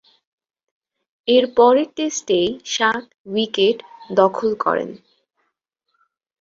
এর পরের টেস্টেই সাত উইকেট দখল করেন।